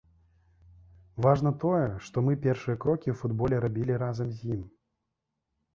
Важна тое, што мы першыя крокі ў футболе рабілі разам з ім.